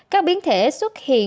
các biến thể xuất hiện